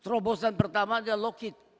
terobosan pertama ada lock it